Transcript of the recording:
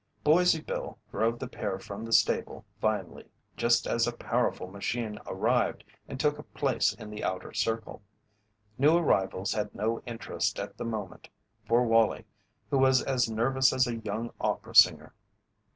Boise Bill drove the pair from the stable finally, just as a powerful machine arrived and took a place in the outer circle. New arrivals had no interest at the moment for Wallie, who was as nervous as a young opera singer.